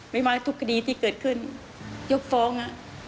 ไม้ทุกคดีที่เกิดขึ้นยกฟ้อง